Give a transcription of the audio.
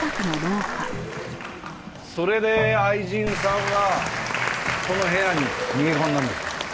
それで愛人さんはこの部屋に逃げ込んだんですか。